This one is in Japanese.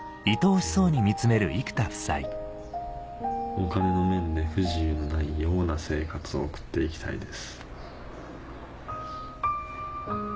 お金の面で不自由のないような生活を送って行きたいです。